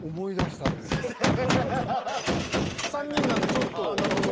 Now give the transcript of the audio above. ３人なんでちょっとちょうど。